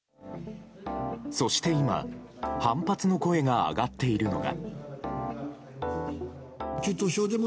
そして今反発の声が上がっているのが。